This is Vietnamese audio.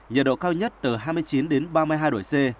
nhiệt độ cao nhất từ hai mươi chín đến ba mươi hai độ c